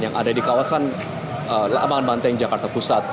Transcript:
yang ada di kawasan lamangan banteng jakarta pusat